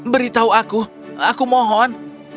beritahu aku aku mohon